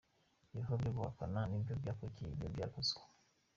Ibikorwa byo guhakana nibyo byakurikiye ibyo byakozwe.